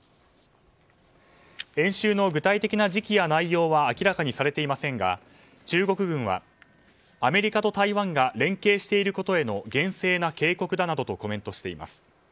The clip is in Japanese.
演習の具体的な時期や内容は明らかにされていませんが中国軍は、アメリカと台湾が連携していることへの厳正な警告だなどとコメントしています。